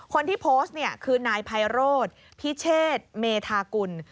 คนที่โพสต์เนี่ยคือนายไพโรธพิเชษเมธากุล